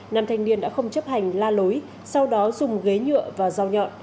nam thanh niên đã không chấp hành la lối sau đó dùng ghế nhựa và dao nhọn